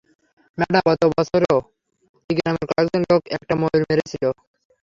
Madam, গত বছরও ওই গ্রামের কয়েকজন লোক একটা ময়ূর মেরেছিল।